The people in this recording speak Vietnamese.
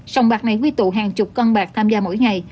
sông bạc này quy tụ hàng chục con bạc tham gia mỗi ngày